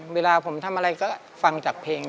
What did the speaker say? เวลาผมทำอะไรก็ฟังจากเพลง